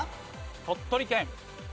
鳥取県。